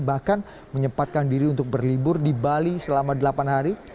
bahkan menyempatkan diri untuk berlibur di bali selama delapan hari